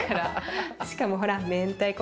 しかもほら。